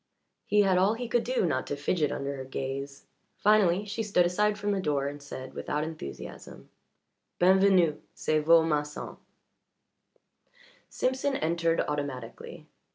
He had all he could do not to fidget under her gaze; finally, she stood aside from the door and said, without enthusiasm: "B'en venu. C'est vo' masson." Simpson entered automatically.